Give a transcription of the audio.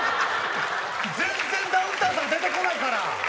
全然ダウンタウンさん出て来ないから。